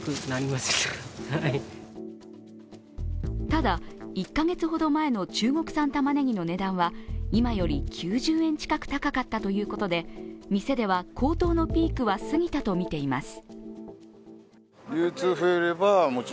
ただ、１カ月ほど前の中国産たまねぎ値段は今より９０円近く高かったということで、店では高騰のピークは過ぎたとみています。